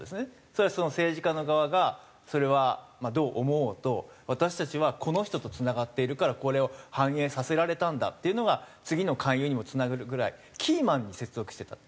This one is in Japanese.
それはその政治家の側がそれはどう思おうと私たちはこの人とつながっているからこれを反映させられたんだっていうのが次の勧誘にもつながるぐらいキーマンに接続してた。